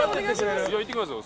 いや行ってきますよ。